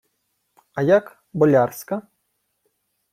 — А як... болярська?